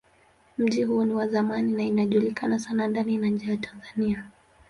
Mji huo ni wa zamani na ilijulikana sana ndani na nje ya Tanzania.